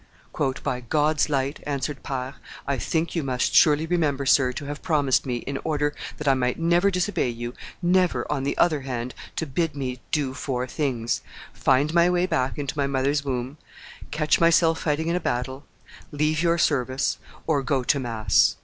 "By God's light," answered Pars, "I think you must surely remember, sir, to have promised me, in order that I might never disobey you, never, on the other hand, to bid me do four things find my way back into my mother's womb, catch myself fighting in a battle, leave your service, or go to mass."